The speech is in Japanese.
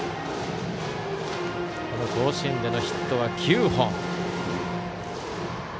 甲子園でのヒットは９本。